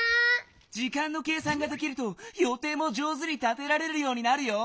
時間の計算ができるとよていも上手に立てられるようになるよ。